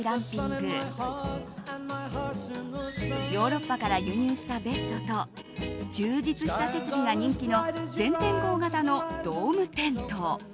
ヨーロッパから輸入したベッドと充実した設備が人気の全天候型のドームテント。